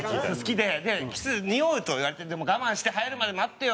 でキスにおうと言われて「でも我慢して。生えるまで待ってよ」っつって。